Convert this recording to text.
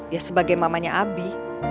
ya sebagai mamanya abi